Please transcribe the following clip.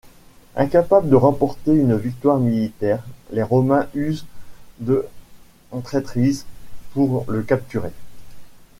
Incapables de remporter une victoire militaire, les Romains usent de traîtrise pour le capturer.